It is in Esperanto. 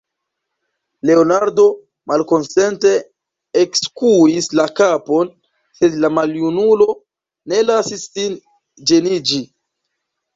Leonardo malkonsente ekskuis la kapon, sed la maljunulo ne lasis sin ĝeniĝi.